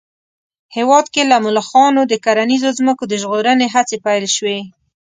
هېواد کې له ملخانو د کرنیزو ځمکو د ژغورنې هڅې پيل شوې